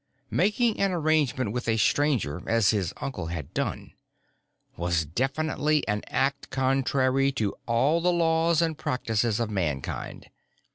Making an arrangement with a Stranger, as his uncle had done, was definitely an act contrary to all the laws and practices of Mankind.